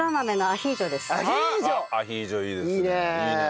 アヒージョいいですね。